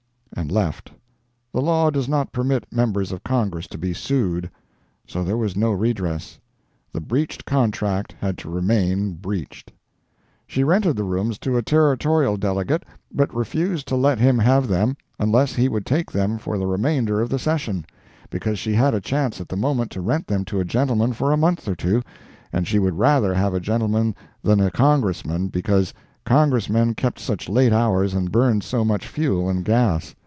"—and left. The law does not permit members of Congress to be sued. So there was no redress. The breached contract had to remain breached. She rented the rooms to a Territorial delegate, but refused to let him have them unless he would take them for the remainder of the session, because she had a chance at the moment to rent them to a gentleman for a month or two, and she would rather have a gentleman than a Congressman because Congressmen kept such late hours and burned so much fuel and gas.